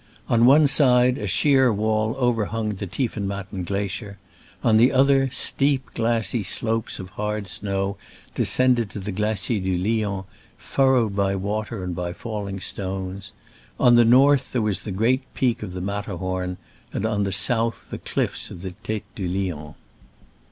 On one side a shee»* wall overhung the Tiefenmatten glacier — on the other, steep, glassy slopes of hard snow descended to the Glacier du Lion, furrowed by water and by falling stones : on the north there was the great peak of the Matterhorn,* and on the south the cliffs of the Tete du Lion.